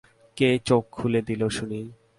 কে চোখ খুলে দিল শুনি?